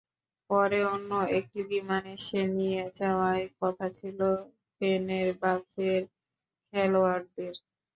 পরে অন্য একটি বিমান এসে নিয়ে যাওয়ার কথা ছিল ফেনেরবাচের খেলোয়াড়দের।